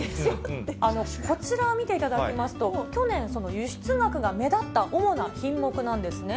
こちらを見ていただきますと、去年、輸出額が目立った主な品目なんですね。